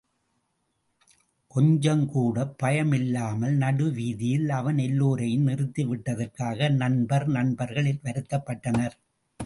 கொஞ்சம் கூடப் பயமில்லாமல் நடு வீதியில் அவன் எல்லோரையும் நிறுத்தி விட்டதற்காக நண்பர் நண்பர்கள் வருத்தப்பட்டனர்.